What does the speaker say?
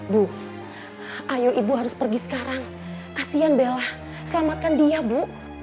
bu ayo ibu harus pergi sekarang kasihan bella selamatkan dia bu